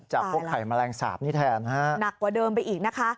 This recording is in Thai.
พวกไข่แมลงสาปนี้แทนฮะหนักกว่าเดิมไปอีกนะคะ